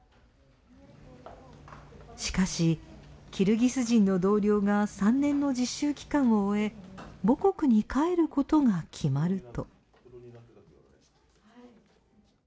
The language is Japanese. しかしキルギス人の同僚が３年の実習期間を終え母国に帰ることが決まると。